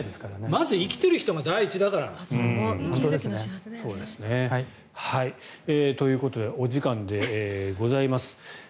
まず生きている人が第一だから。ということでお時間でございます。